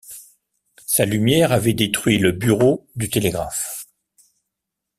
Sa lumière avait détruit le bureau du télégraphe.